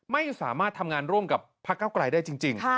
ไม่สามารถทำงานร่วมกับพักเก้าไกลได้จริง